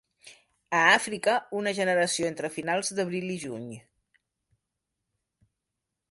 A Àfrica una generació entre finals d'abril i juny.